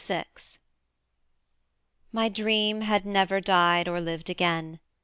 VI My dream had never died or lived again.